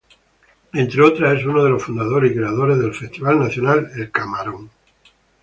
Entre otras, es uno de los fundadores y creadores del Festival Nacional El Camarón.